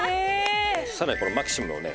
さらにマキシムのね